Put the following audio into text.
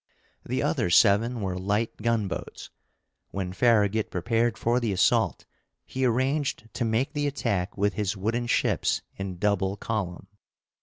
The other seven were light gunboats. When Farragut prepared for the assault, he arranged to make the attack with his wooden ships in double column.